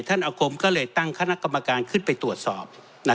อาคมก็เลยตั้งคณะกรรมการขึ้นไปตรวจสอบ